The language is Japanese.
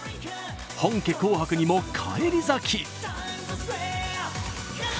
本家「紅白」にも返り咲き。